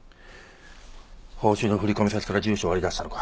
報酬の振込先から住所を割り出したのか。